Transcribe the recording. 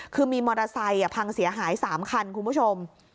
คือมีมอเตอร์ไซค์พังเสียหาย๓คันคุณผู้ชม